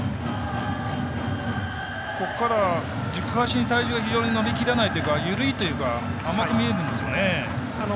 軸足に体重が乗り切らないというか緩いというか甘く見えるんですよね。